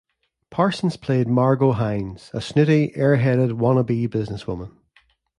Parsons played Margot Hines, a snooty, air-headed wanna-be businesswoman.